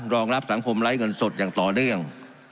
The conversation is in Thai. รองรับสังคมไร้เงินสดอย่างต่อเนื่อง